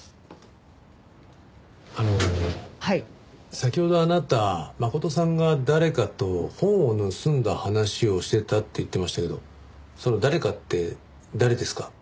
先ほどあなた真琴さんが誰かと本を盗んだ話をしていたって言ってましたけどその誰かって誰ですか？